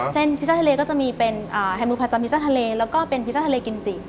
พิซ่าทะเลก็จะมีเป็นไฮมูผัดจากพิซ่าทะเลแล้วก็เป็นพิซ่าทะเลกิมจิ